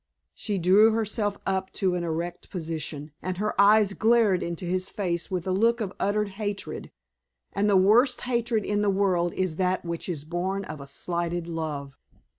She drew herself up to an erect position, and her eyes glared into his face with a look of utter hatred, and the worst hatred in the world is that which is born of a slighted love.